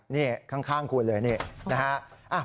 นี่ข้างคุณเลยนี่นะฮะ